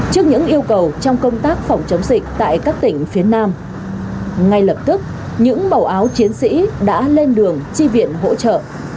trước những yêu cầu trong công tác phòng chống dịch tại các tỉnh phía nam ngay lập tức những màu áo chiến sĩ đã lên đường chi viện hỗ trợ